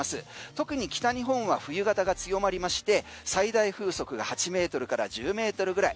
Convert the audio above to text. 特に北日本は冬型が強まりまして最大風速が８ｍから１０ｍぐらい。